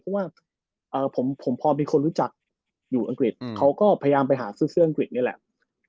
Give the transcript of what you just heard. เพราะว่าผมพอมีคนรู้จักอยู่อังกฤษเขาก็พยายามไปหาซื้อเสื้ออังกฤษนี่แหละ